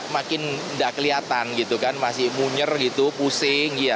makin tidak kelihatan masih munyur pusing